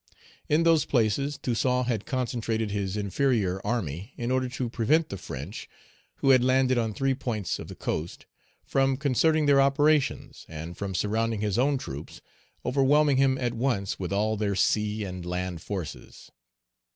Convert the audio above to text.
In those places Toussaint had concentrated his inferior army in order to prevent the French, who had landed on three points of the coast, from concerting their operations, and from surrounding his own troops, overwhelming him at once with all their sea and land forces.